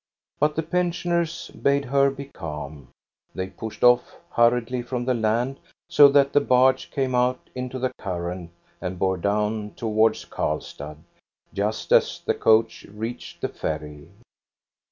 But the pensioners bade her be calm. They pushed off hurriedly from the land, so that the barge came out into the current and bore down towards Karlstad, just as the coach reached the ferry.